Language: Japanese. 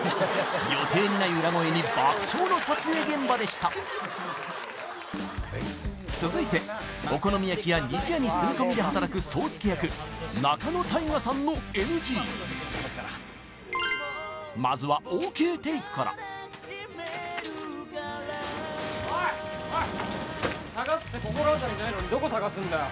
予定にない裏声に爆笑の撮影現場でした続いてお好み焼き屋「にじや」に住み込みで働く蒼介役・仲野太賀さんのＮＧまずはＯＫテイクからおいおい捜すって心当たりないのにどこ捜すんだよ？